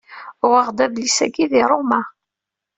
Uɣeɣ-d adlis-agi di Ṛuma.